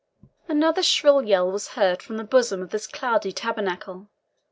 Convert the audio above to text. Another shrill yell was heard from the bosom of this cloudy tabernacle.